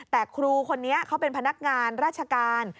แต่ครูคนนี้เขาเป็นพนักงานราชการ